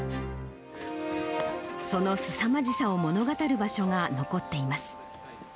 そのすさまじさを物語る場所が残っています。